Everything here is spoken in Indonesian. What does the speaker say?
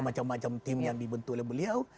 macam macam tim yang dibentuk oleh beliau